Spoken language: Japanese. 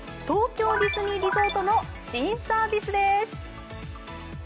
東京ディズニーリゾートの新サービスです。